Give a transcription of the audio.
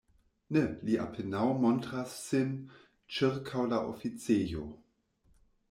Ne, li apenaŭ montras sin ĉirkaŭ la oficejo.